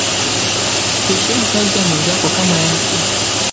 Heshimukazi ya mwenzako kama yako